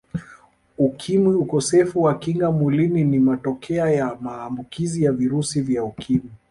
Ukimwi Ukosefu wa Kinga Mwilini ni matokea ya maambukizi ya virusi vya Ukimwi